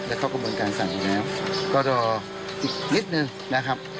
และเข้ากระบวนการสั่งอยู่แล้วก็รออีกนิดนึงนะครับ